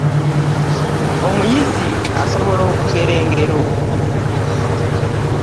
Omuyizi asobola okugera engero.